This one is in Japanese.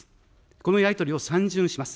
このやり取りを３巡します。